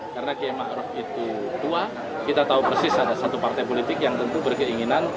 karena kiai maruf itu tua kita tahu persis ada satu partai politik yang tentu berkeinginan